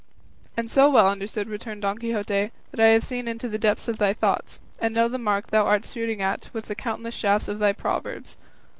"And so well understood," returned Don Quixote, "that I have seen into the depths of thy thoughts, and know the mark thou art shooting at with the countless shafts of thy proverbs.